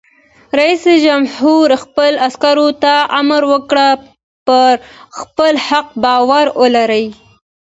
رئیس جمهور خپلو عسکرو ته امر وکړ؛ پر خپل حق باور ولرئ!